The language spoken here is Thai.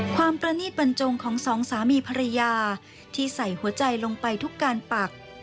ประณีตบรรจงของสองสามีภรรยาที่ใส่หัวใจลงไปทุกการปัก